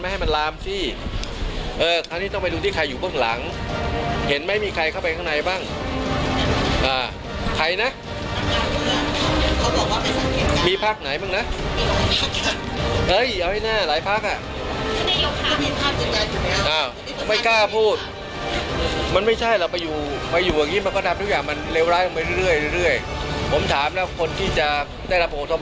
สำหรับสลุนโดยหน้ากากผ้าและเจ็ดเก็ตกันไวรัสมากถึง๙๙เปอร์เซ็นต์ใน๒ชั่วโมง